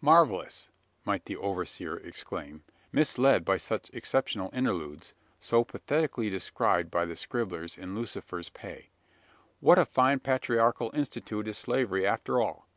"Marvellous!" might the observer exclaim misled by such exceptional interludes, so pathetically described by the scribblers in Lucifer's pay "what a fine patriarchal institution is slavery, after all!